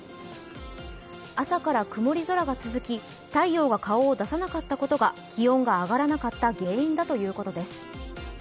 朝から曇り空が続き太陽が顔を出さなかったことが気温が上がらなかった原因だということです。